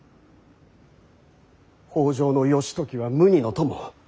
北条義時は無二の友。